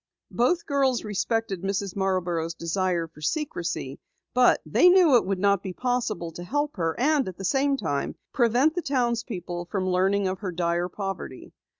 Both girls respected Mrs. Marborough's desire for secrecy, but they knew it would not be possible to help her and, at the same time, prevent the townspeople from learning of her dire poverty.